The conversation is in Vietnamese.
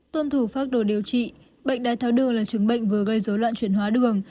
tôn thủ pháp đồ điều trị bệnh đài tháo đường là chứng bệnh vừa gây dối loạn chuyển hóa đường